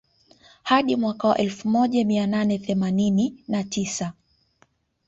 Hadi mwaka wa elfu moja mia nane themanini na tisa